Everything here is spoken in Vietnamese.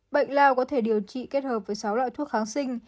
bệnh lao có thể điều trị kết hợp với sáu loại thuốc kháng sinh